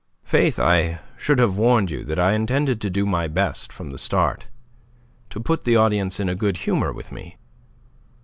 "Faith, I should have warned you that I intended to do my best from the start to put the audience in a good humour with me.